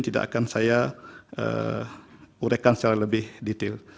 tidak akan saya urekan secara lebih detail